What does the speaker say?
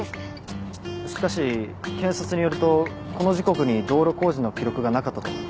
しかし検察によるとこの時刻に道路工事の記録がなかったと。